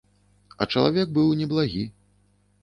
А чалавек быў неблагі.